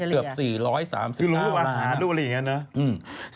คือหลุมรูปอาหารหรืออะไรอย่างนั้นเนอะ